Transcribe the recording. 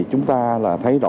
chúng ta là thấy rõ